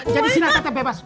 jadi sina tak terbebas